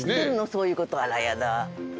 そういうことあらやだ。